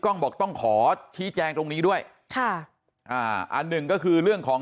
กล้องบอกต้องขอชี้แจงตรงนี้ด้วยอันหนึ่งก็คือเรื่องของ